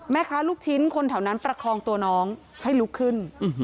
ลูกชิ้นคนแถวนั้นประคองตัวน้องให้ลุกขึ้น